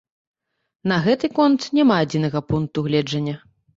На гэты конт няма адзінага пункту гледжання.